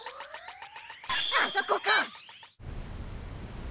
あそこか！